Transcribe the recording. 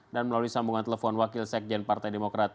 dan melalui sambungan telepon wakil sekjen partai demokrat